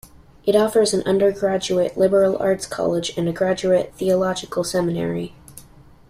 It offers an undergraduate liberal arts college and a graduate theological seminary.